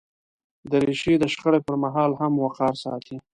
دریشي د شخړې پر مهال هم وقار ساتي.